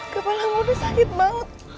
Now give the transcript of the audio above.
kepala murni sakit banget